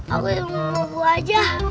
aku yang mau mau aja